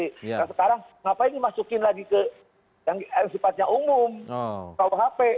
nah sekarang ngapain dimasukin lagi ke yang sifatnya umum kuhp